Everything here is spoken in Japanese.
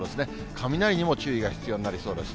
雷にも注意が必要になりそうです。